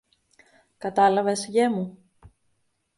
Κατάλαβες, γιε μου;